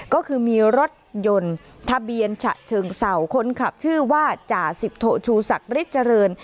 ก็คือมีรถยนต์ทะเบียนฉะเชิงเศร้าคนขับชื่อว่าจ่าสิบโทชูศักดิ์เจริญ